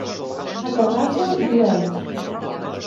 A Terrassa, jueus.